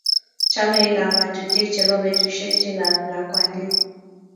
Chamei kabwatutik chebo betushek chik ab lakwandit